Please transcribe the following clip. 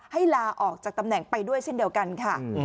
ลาออกจากตำแหน่งไปด้วยเช่นเดียวกันค่ะ